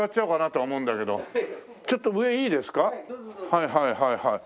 はいはいはいはい。